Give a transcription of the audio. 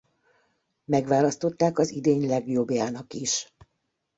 Megválasztották az idény legjobbjának is.